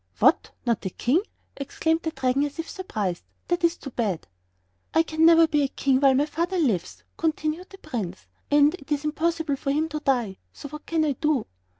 "What! not a king?" exclaimed the Dragon, as if surprised; "that is too bad." "I can never be a king while my father lives," continued the Prince, "and it is impossible for him to die. So what can I do?"